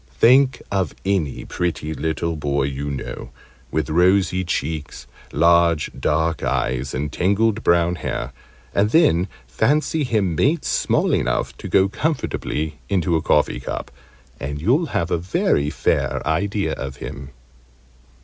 Think of any pretty little boy you know, with rosy cheeks, large dark eyes, and tangled brown hair, and then fancy him made small enough to go comfortably into a coffee cup, and you'll have a very fair idea of him.